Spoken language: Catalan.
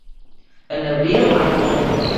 En abril, aigua al vi.